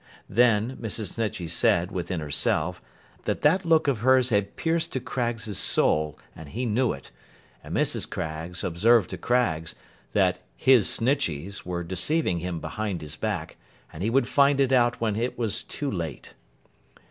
Then, Mrs. Snitchey said, within herself, that that look of hers had pierced to Craggs's soul, and he knew it; and Mrs. Craggs observed to Craggs, that 'his Snitcheys' were deceiving him behind his back, and he would find it out when it was too late.